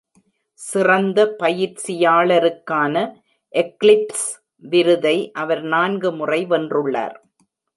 சிறந்த பயிற்சியாளருக்கான எக்ளிப்ஸ் விருதை அவர் நான்கு முறை வென்றுள்ளார்.